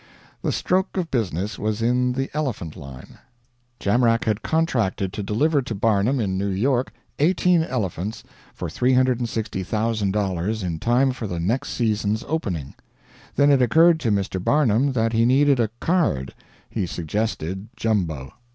The stroke of business was in the elephant line. Jamrach had contracted to deliver to Barnum in New York 18 elephants for $360,000 in time for the next season's opening. Then it occurred to Mr. Barnum that he needed a "card." He suggested Jumbo.